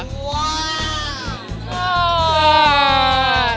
หว่า